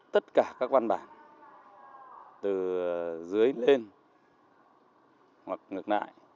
tất cả các văn bản từ dưới lên hoặc ngược lại